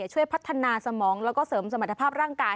ช่วยพัฒนาสมองแล้วก็เสริมสมรรถภาพร่างกาย